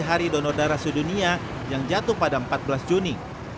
hari donor darah sedunia yang jatuh pada empat belas juni